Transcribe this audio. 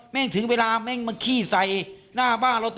ไม่มีถึงเวลามาขี้ไสขี้ใสหน้าบ้านเราต่อ